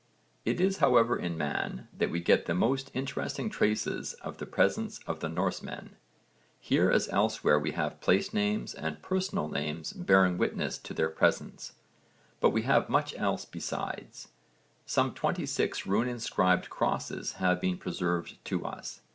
It is however in Man that we get the most interesting traces of the presence of the Norsemen. Here as elsewhere we have place names and personal names bearing witness to their presence, but we have much else besides. Some 26 rune inscribed crosses have been preserved to us.